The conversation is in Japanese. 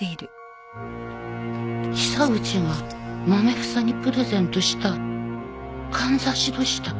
久口がまめ房にプレゼントしたかんざしどした。